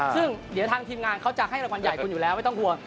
ซึ่งเดี๋ยวทางทีมงานเขาจะให้รางวัลใหญ่คุณอยู่แล้วไม่ต้องห่วง